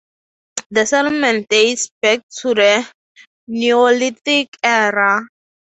The settlement dates back to the Neolithic era.